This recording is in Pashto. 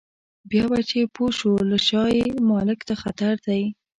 بیا به چې پوه شو له شا یې مالک ته خطر دی.